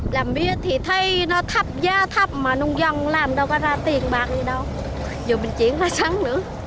làm mía thì thấy nó thấp da thấp mà nông dân làm đâu có ra tiền bạc gì đâu giờ mình chuyển ra sắn nữa